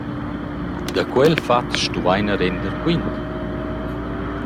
Da quel fat stuvaina render quint.